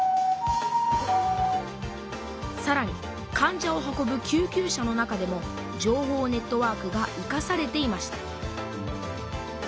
さらに患者を運ぶ救急車の中でも情報ネットワークが生かされていました